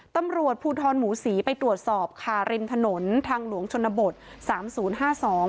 ตำรวจภูทรหมูศรีไปตรวจสอบค่ะริมถนนทางหลวงชนบทสามศูนย์ห้าสอง